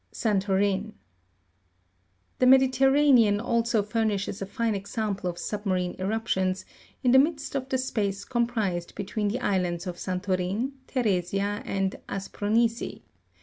Santorin. The Mediterranean also furnishes a fine example of submarine eruptions, in the midst of the space comprised between the islands of San torin, Teresia and Aspronisi (Jig.